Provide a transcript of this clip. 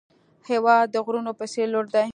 هېواد د غرونو په څېر لوړ دی.